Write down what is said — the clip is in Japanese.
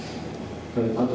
あと。